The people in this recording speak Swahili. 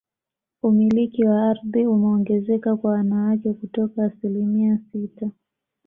Umiliki wa ardhi umeongezeka kwa wanawake kutoka asilimia sita